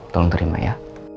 tolong terima ya